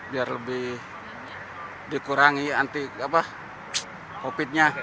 biar lebih dikurangi anti covid nya